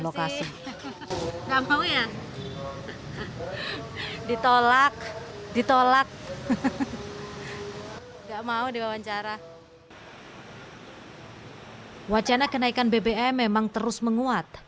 lokasi ditolak ditolak nggak mau diwawancara wacana kenaikan bbm memang terus menguat